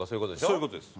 そういう事です。